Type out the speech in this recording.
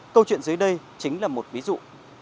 câu chuyện dưới đây chính là một ví dụ